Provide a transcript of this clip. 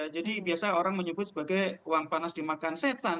jadi biasa orang menyebut sebagai uang panas dimakan setan